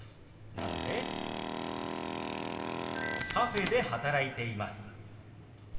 なので「カフェで働いています」。